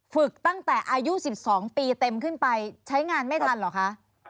ฝึกตั้งแต่อายุ๑๒ปีเต็มขึ้นไปใช้งานไม่ทันเหรอคะ